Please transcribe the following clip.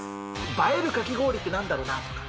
映えるかき氷ってなんだろうな？とか。